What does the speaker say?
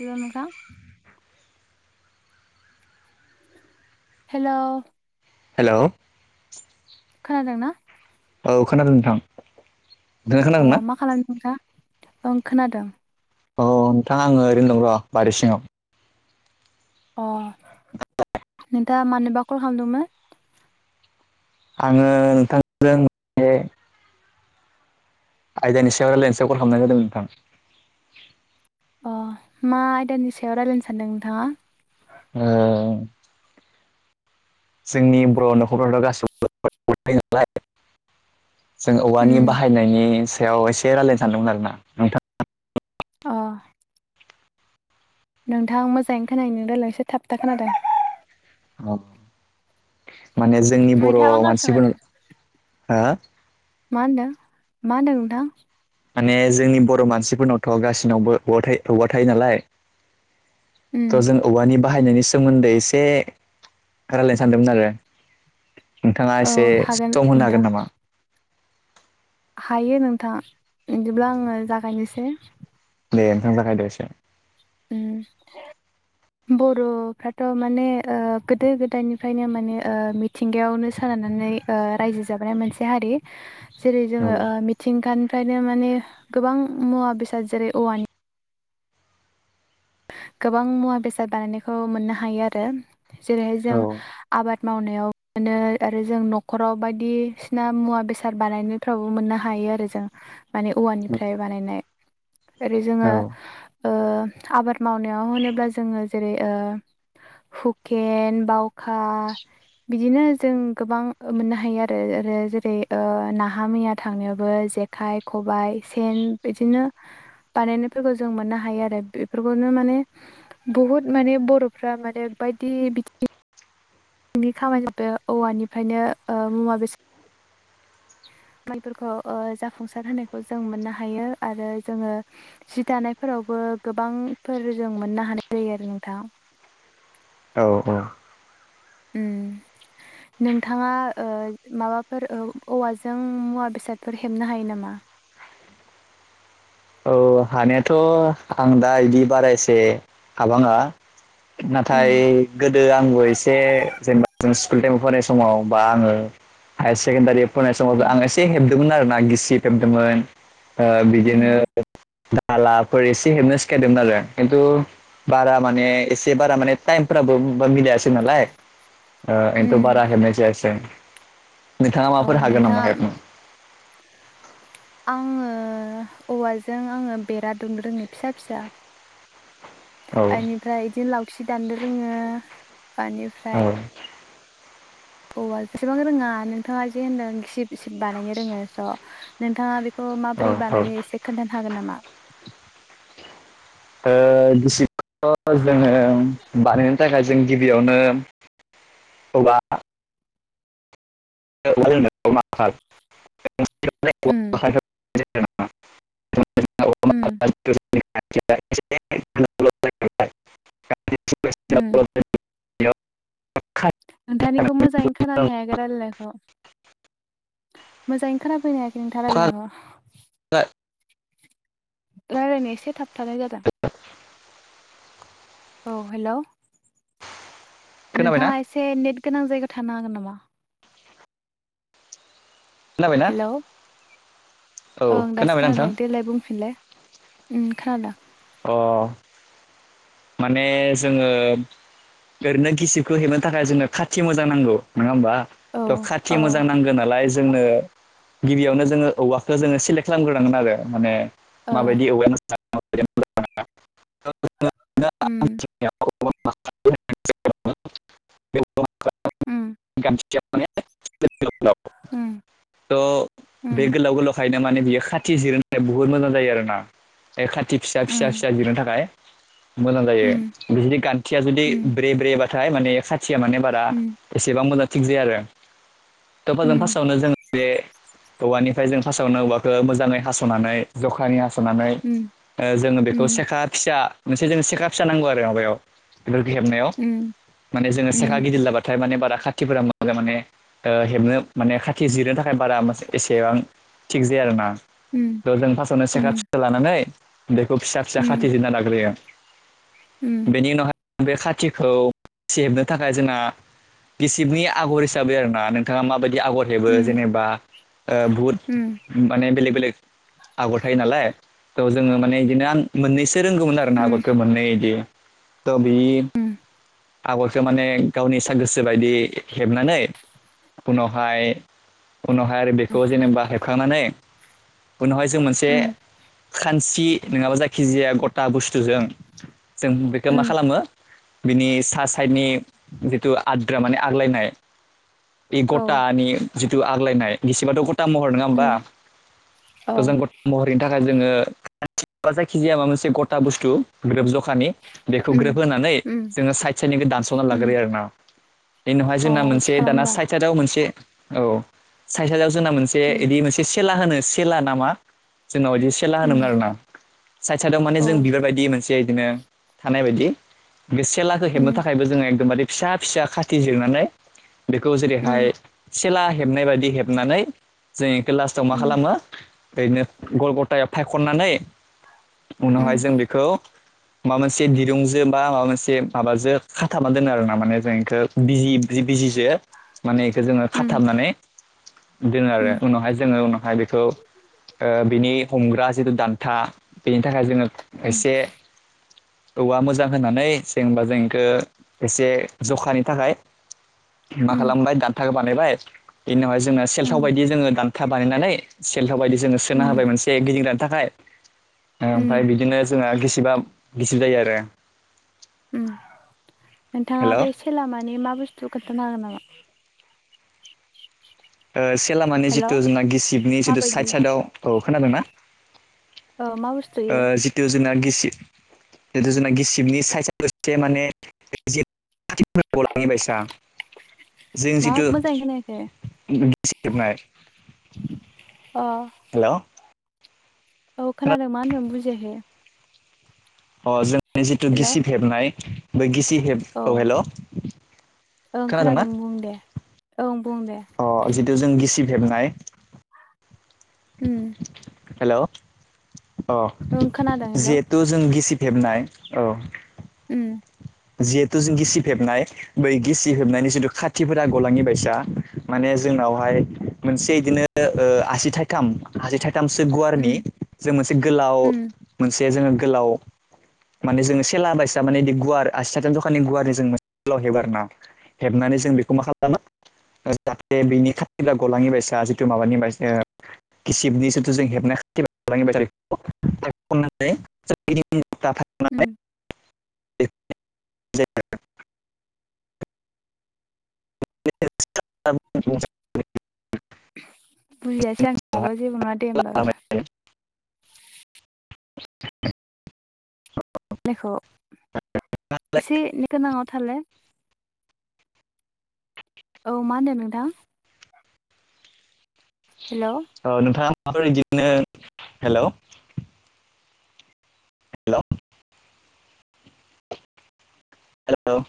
हेल' नोंथां hello hello खोनादोंना औ खोनादों नोंथां नोंथाङा खोनादों ना? अ मा खालामदों नोंथाङा ओं खोनादों अ नोंथाङा आङो ओरैनो दं र' बारि सिङाव अ नोंथा मानोबा कल खालामदोंमोन आङो नोंथांजों आयदानि सायाव रायलायनो सायाव कल खालामनाय जादों नोंथां। अ मा आयदानि सायाव रायलायनो सानदों नोंथाङा ओ जोंनि बर' न'खरफ्रावथ' गासिखौबो नालाय [unintelligible] जों औवानि उम बाहायनायनि सायाव एसे रायलायनो सानदों आरोना नोंथां अ नोंथां मोजाङै [unintelligible] ' एसे थाब थाब खोनादों माने जोंनि बर' मैथा बांगालसोमोन मानसिफोरनि हो मा होनदों मा होनदों नोंथां माने जोंनि बर' मानसिफोरनावथ' गासिनावबो औवा औवा थायो नालाय उम त' जों औवानि बाहायनायनि सोमोन्दै एसे रायलायनो सानदोंमोन आरो नोंथाङा औ एसे हागोन सम होनो नोंथां हागोन नामा? हायो नोंथाङा बिदिब्ला आङो जागायनोसै दे ओंथां जाखायदो एसे उम बर'फ्राथ' माने गोदो गोदायनिफ्रायनो माने मिथिंगायावनो साना रायजो जाबोनाय मोनसे हारि जेरै जोङो औ मिथिंगानिफ्रायनो माने गोबां मुवा बेसाद जेरै औवानि गोबां मुवा बेसाद बानायनायखौ मोननो हायो आरो जेरैहाय औ जों आबाद मावनायाव मोनो आरो जों न'खराव बायदिसिना मुवा बेसाद बानायनायफ्रावबो मोननो हा यो आरो जों माने औ औवानिफ्राय बानायनाय ओरै औ जोङो ओ आबाद मावनायाव होनोब्ला जोङो जेरै ओ हुखेन बावखा बिदिनो जों गोबां मोननो हायो आरो आरो जेरै नाहा मैया थांनायावबो जेखाय खबाइ सेन बिदिनो बानायनायफोरखौ जों मोननो हायो आरो बेफोर फोरखौनो माने बुहुत माने बर'फ्रा माने बायदि बिथिं नि खामानिया औवानिफ्रायनो मुवा बेसाद [inaudible] माइफोरखौ ओ जाफुंसार होनायखौ जों मोननो हायो आरो जोङो जि दानायफोरावबो गोबांफोर जों मोननो हानाय जायो आरो नोंथां औ औ उम नोंथाङा ओ माबाफोर औवाजों मुवा बेसादफोर हेबनो हायो नामा? औ हानायाथ' आं दा बिदि बारायसे हाबाङा। उम नाथाय गोदो आंबो एसे जेनेबा जों स्कुल टाइमाव फरायस समाव बा आङो हायार सेकेण्डारि फरायनाय समाव उम आं एसे हेब दोंमोन आरो ना गिसि फेबदोंमोन बिदिनो। उम दधालाफोर एसे हेबनो सिखायदोंमोन आरो खिन्थु बारा माने एसे बारा माने टाइम फोराबो मिलायासै नालाय [inaudible] ओ एनथ' उम बारा हेबनायसै नोंथाङा अ माफोर हागोन नोंथाङा नामा हेबनो? आङो औवाजों आङो बेरा दुमनो रोङो फिसा फिसा। औ बेनिफ्राय बिदिनो लावथि दान्नो रोङो औ बेनिफ्राय। औवा [unintelligible] जेसेबां रोङा नोंथाङा जे होनदों गिसिब। गिसिब बानायनो रोङो स' नोंथाङा बेखौ औ माबोरै औ बानायो एसे खोन्थानो हागोन नामा? ओ गिसिब थ' जोङो बानायनो थाखाय जों गिबियावनो। औवा। उम [unintelligible] उम [unintelligible] उम [unintelligible] नोंथांनिखौ मोजाङै खोनानो हायाखै रायलायनाय खौ मोजाङैनो खोनाफैनो हायाखै नोंथाङा रायलायनायखौ रायलायनो एसे थाबथानाय जादों। औ हेल'। खोनाबायना नोंथाङा एसे नेट गोनां जायगायाव थानो हागोन नामा? खोनाबायना हेलौ औ ओं दासो खोनाबायना नोंथां खोनादों देलाय बुंफिनलै। उम खोनादों। अ माने जोङो ओरैनो गिसिबखौ हेबनो थाखाय जोंनो खाथि मोजां नांगौ नङा होमबा? औ औ खाथि मोजां नांगौ नालाय जोंनो गिबियावनो जोङो औवाखौ जोङो सेलेक्ट खालामग्रोनांगोन आरो माने ओ माबायदि औवाया मोजां माबायदि औवाया मोजां नङा उम उम [unintelligible] [unintelligible] उम [unintelligible] त उम बे गोलाव गोलाव [unintelligible] ओंखायनो माने बियो खाथि जिरनो थाखाय बहुत मोजां जायो आरोना। ए खाथि फिसा फिसा उम फिसा [unintelligible] थाखाय मोजां जायो उम जुदि गान्थिया जुदि ब्रे ब्रे बाथाय माने खा खाथिया माने बारा एसेबां मोजां थिग जाया आरो। थ'फाजों उम फार्स्टआवनो जों बे औवानिफ्राय जों फार्स्टआवनो औवाखौ मोजाङै हास'नानै जखानि हास सनानै औ जोङो बेखौ सेखा फिसा मोनसे जोंनो सेखा फिसा नांगौ आरो माबायाव हेबनायाव उम माने जोङो सेेखा गिदिर लाबाथाय माने ब खाथिफोरा मोजां माने हेबनो माने खाथि जिरनो थाखाय बारा एसेबां थिग आरोना थ जों फार्स्टावनो सेखा फिसा लानानै बेखौ फिसा फिसा खाथि जिरना लाग्रोयो बेनि उनावहाय बे खाथिखौ हेबनो थाखाय जोंना गिसिबनि आगर हिसाबै आर ना नोंथाङा माबायदि। आगर हेबो जेनेबा बुहुत माने बेले बेलेग आगर थायो नालाय थह जोङो आं माने बिदिनो मोननैसो रोंगौमोन आरोना आगर दे दे त बि आगरखो माने गावनि स गोसो बायदि हेबनानै उनावहाय उनावहाय आरो बेखौ जेनेबा हेबखांनानै उनावहाय जों मोनसे खानस्रि नङाबा जायखिजाया गथा बुस्थुजों। जों बेखौ मा खालामो बिनि सा साइडनि जिथु आद्रा माने आग्लायनाय। बे गथानि जिथु आग्लायनाय गिसेबाथ' गथा गथा महर नङा होमबा गोजान गथा महरैनि थाखाय जोङो जायखिजाया मा मोनसे गथा बुस्थु ग्रोब ज खानि बेखौ ग्रोब होनानै उम जोङो साइद साइदनिखौ दानस'ना उम लाग्रोयो आरोना। बेनि उनावहाय अ जोंना इदि मोनसे दाना खालामबा साइदाव मोनसे औ साइदाव जोंना मोनसे उम बिदि मोनसे सेला होनो सेला नामा? जोंनाव बिदि सेला उम होनोमोन आरोना साइदाव साइदाव माने औ जों बिबारबायदि मोनसे बिदिनो थानाय बायदि बे सेलाखौ हेबनो उम थाखायबो जोङो एकदमबारे फिसा फिसा खाथि जिरनानै बेखौ उम जेरैहाय सेला हेबनाय बायदि हेबनानै जों बेखौ लास्टाव मा उम उम खालामो? ओरैनो गल गथायाव फायखननानै उम उनावहाय उम जों बेखौ माबा मोनसे दिरुंजो बा माबा मोनसे माबाजों खाथाबना दोनो आरोना माने जों बेखौ बिजि जि बिजिजो माने इखौ जोङो उम खाथाबनानै दोनो आरो उम उनावहाय जोङो उनावहाय बेखौ बिनि हमग्रा जिथु दान्था बेनि थाखाय जोङो उम एसे औवा मोजां होननानै जेनबा जोंखौ एसे जखानि थाखाय मा खालामबाय दान्थाखौ बानायबाय इनि उनावहाय जोंना सेलथाव उम बायदि जोङो दानथा [unintelligible] बानायनानै सेलथाव बायदि जोङो सोना होबाय मोनसे गिदिंग्रानि थाखाय ओमफ्राय उम बिदिनो जोंहा गिसिबा गिसिब जायो आरो। नोंथाङा हेल' ओ बे सेलामानि मा बुस्थु खोन्थानो हागोन नामा? से लामानि हेल' जिथु जोंना गिसिबनि जिथु माबायदि साइद साइदआव खोनादोंना? मा बुस्थु इयो? जुनार गिसिब जिथु जोंना गिसिबनि साइदाव साइदाव एसे माने [unintelligible] जों मा जिथु मोजाङै खोनायाखै [unintelligible] अ हेल' औ खोनादों मा होनदों बुजियाखै। अ जोंनि जिथु हेल' औ गिसिब हेबनाय बे गिसि हेब औ हेलौ ओं खोनादों बुं दे औ। अ जितु जों गिसिब हेबनाय उम हेल' अ ओं खोनादों हेल' जिहेथु जों गिसिब हेबनाय औ उम जिहेथु जों गिसिब हेबनाय बै गिसि हेबनायनि जिथु खाथिफोरा गलाङि बायसा माने जोंनावहाय मोनसे बिदिनो ओ आसि थाइथाम आसि थाइ- थामसो गुवार उम मोनसे गोलाव उम मोन- से जोङो गोलाव माने जोङो सेला बायसा माने बिदि गुवार आसि साथाम जखानि गुवारै जों मोनसे गोलाव हेबो आरोना हेबनानै जों बेखौ मा खालामो? जाहाथे बेनि खाथिफ्रा गलाङि बायसा जिथु माबानि बायसा गिसिबनि जिथु जों हेबनाय खाथि बानायो [unintelligible] [unintelligible] नानै उम दे [unintelligible] [unintelligible] बुजियासै आं माबा जेबो नङा दे होमबाबो। खौ एसे नेठ गोनाङाव थालाय औ मा होन्दों नोंथां? हेल' औ नोंथाङा माबाफोर बिदिनो हेलौ हेलौ हेलौ